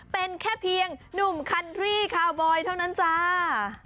เป็นแค่เพียงหนุ่มคันทรี่คาวบอยเท่านั้นจ้า